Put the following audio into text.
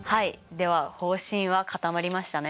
では方針は固まりましたね。